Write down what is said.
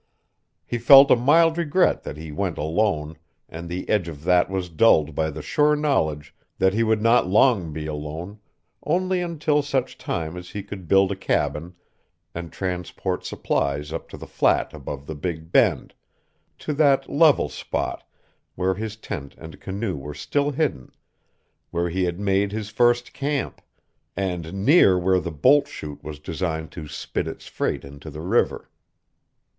He felt a mild regret that he went alone, and the edge of that was dulled by the sure knowledge that he would not long be alone, only until such time as he could build a cabin and transport supplies up to the flat above the Big Bend, to that level spot where his tent and canoe were still hidden, where he had made his first camp, and near where the bolt chute was designed to spit its freight into the river.